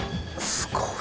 すごい。